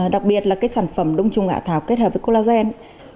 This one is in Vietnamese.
đặc biệt là cái sản phẩm đồng trùng hạ thảo kết hợp với collagen